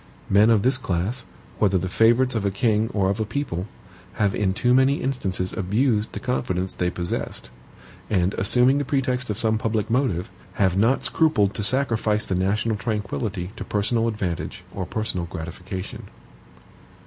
Men of this class, whether the favorites of a king or of a people, have in too many instances abused the confidence they possessed; and assuming the pretext of some public motive, have not scrupled to sacrifice the national tranquillity to personal advantage or personal gratification.